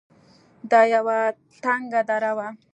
دا يوه تنگه دره وه.